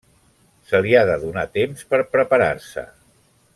Se li ha de donar temps per preparar-se.